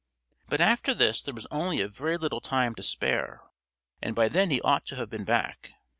But after this there was only a very little time to spare, and by then he ought to have been back.